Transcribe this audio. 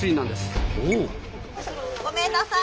ごめんなさい。